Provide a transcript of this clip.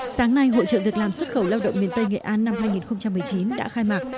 sáng nay hội trợ việc làm xuất khẩu lao động miền tây nghệ an năm hai nghìn một mươi chín đã khai mạc